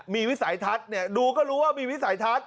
มีวิสัยทัศน์ดูก็รู้ว่ามีวิสัยทัศน์